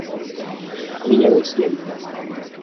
Ella desciende.